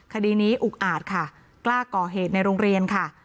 คดีนี้อุกอาจค่ะกล้าก่อเหตุในโรงเรียนค่ะ